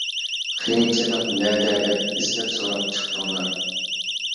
قىيىنچىلىق نەدە دەپ، ئىزدەپ سوراپ چىقتىڭلار.